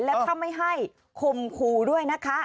และถ้าไม่ให้คมคู่ด้วยนะคะ